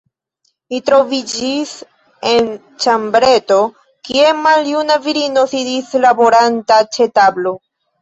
Ni troviĝis en ĉambreto, kie maljuna virino sidis laboranta ĉe tablo.